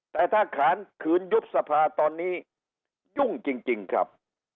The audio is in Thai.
แต่ถ้าขานขืนยุบสภาตอนนี้ยุ่งจริงครับ